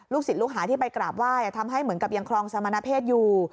ศิษย์ลูกหาที่ไปกราบไหว้ทำให้เหมือนกับยังครองสมณเพศอยู่